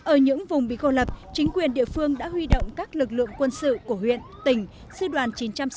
ở những vùng bị cô lập chính quyền địa phương đã huy động các lực lượng quân sự của huyện tỉnh sư đoàn chín trăm sáu mươi